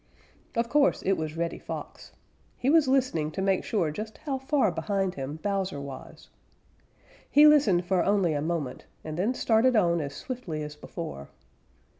Of course it was Reddy Fox. He was listening to make sure just how far behind him Bowser was. He listened for only a moment and then started on as swiftly as before.